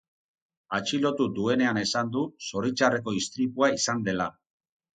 Atxilotu duenean esan du, zoritxarreko istripua izan dela.